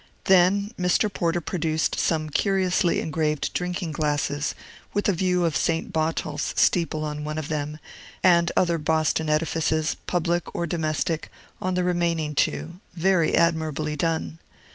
Then, Mr. Porter produced some curiously engraved drinking glasses, with a view of Saint Botolph's steeple on one of them, and other Boston edifices, public or domestic, on the remaining two, very admirably done.